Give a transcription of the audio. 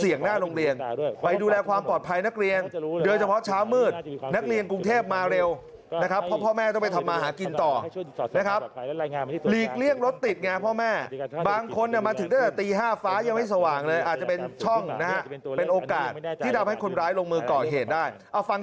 ยังไม่สว่างเลยอาจจะเป็นช่องนะฮะ